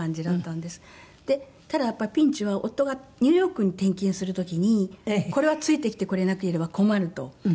でただやっぱりピンチは夫がニューヨークに転勤する時にこれはついてきてくれなければ困ると。